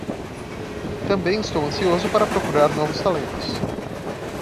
Também estou ansioso para procurar novos talentos.